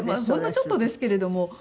ほんのちょっとですけれども。